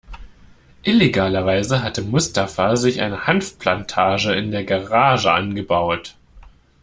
Illegalerweise hatte Mustafa sich eine Hanfplantage in der Garage angebaut.